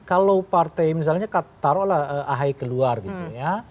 kalau partai misalnya taruhlah ahy keluar gitu ya